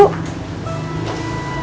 ntar papa yang sedih